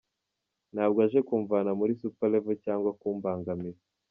Ntabwo aje kumvana muri Super Level cyangwa kumbangamira.